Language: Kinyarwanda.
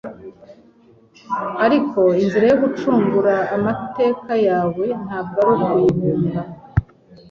ariko inzira yo gucungura amateka yawe ntabwo ari ukuyihunga,